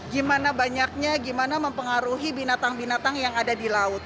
gimana banyaknya gimana mempengaruhi binatang binatang yang ada di laut